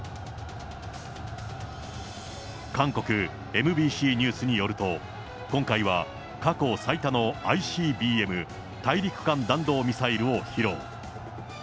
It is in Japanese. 韓国ＭＢＣニュースによると、今回は過去最多のＩＣＢＭ・大陸間弾道ミサイルを披露。